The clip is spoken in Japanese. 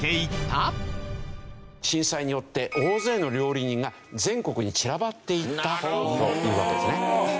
震災によって大勢の料理人が全国に散らばっていったというわけですね。